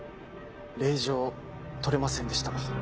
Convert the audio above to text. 令状取れませんでした。